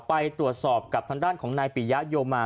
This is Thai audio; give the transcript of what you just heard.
ไปตรวจสอบกับทางด้านของนายปิยะโยมา